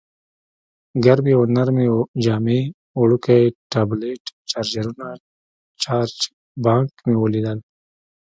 ګرمې او نرۍ جامې، وړوکی ټابلیټ، چارجرونه، چارج بانک مې ولیدل.